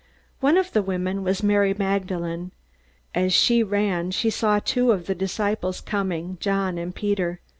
One of the women was Mary Magdalene. As she ran, she saw two of the disciples coming, John and Peter.